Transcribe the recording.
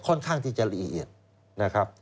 ค่อนข้างที่จะละเอียดนะครับ